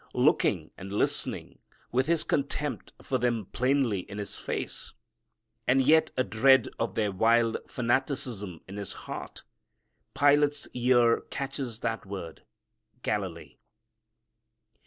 Looking and listening, with his contempt for them plainly in his face, and yet a dread of their wild fanaticism in his heart, Pilate's ear catches that word Galilee.